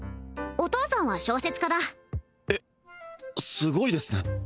お父さんは小説家だえっすごいですね